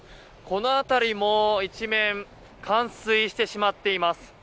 この辺りも一面、冠水してしまっています。